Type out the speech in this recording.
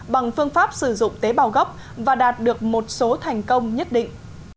bằng phương pháp sử dụng tế bào gốc và đạt được một số thành công nhất định